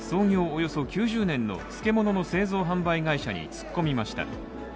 およそ９０年の漬物の製造販売会社に突っ込みました。